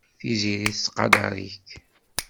Tiziri tettqadar-ik.